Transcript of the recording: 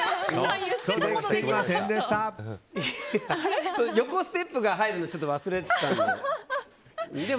いや横ステップが入るの忘れてたんで。